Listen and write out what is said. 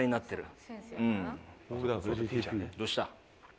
どうした？